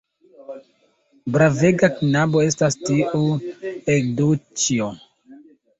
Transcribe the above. Bravega knabo estas tiu Eduĉjo!